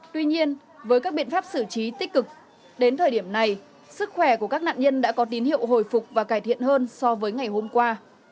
tuy nhiên với các biện pháp xử trí tích cực đến thời điểm này sức khỏe của các nạn nhân đã có tín hiệu hồi phục và cải thiện hơn so với ngày hôm qua